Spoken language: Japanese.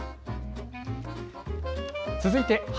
続いて、＃